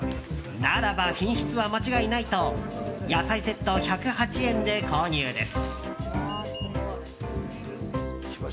ならば品質は間違いないと野菜セット１０８円で購入です。